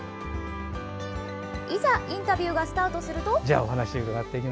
いざインタビューがスタートすると。